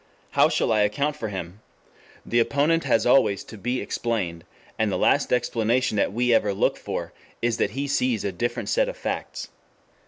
How shall I account for him? The opponent has always to be explained, and the last explanation that we ever look for is that he sees a different set of facts.